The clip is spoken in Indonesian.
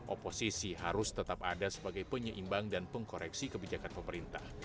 oposisi harus tetap ada sebagai penyeimbang dan pengkoreksi kebijakan pemerintah